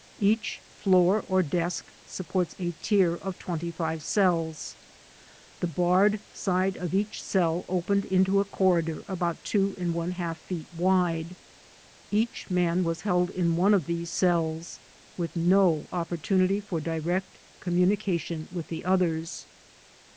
Each floor or desk supports a tier of twenty five cells. The barred side of each cell opened into a corridor about two and one half feet wide. Each man was held in one of these cells with no opportunity for direct communication with the others.